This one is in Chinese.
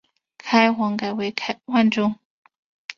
开皇改为万州。